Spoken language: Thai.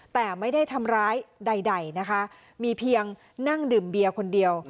แต่ไม่ได้ทำร้ายใดนะคะมีเพียงนั่งดื่มเบียร์คนเดียว